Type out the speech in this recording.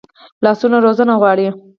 لاسونه روزنه غواړي